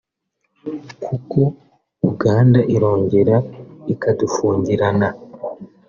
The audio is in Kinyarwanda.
kuko Uganda irongera ikadufungirana